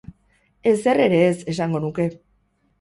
Ezer ere ez, esango nuke.